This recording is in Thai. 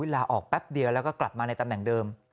ลาออกแป๊บเดียวแล้วก็กลับมาในตำแหน่งเดิม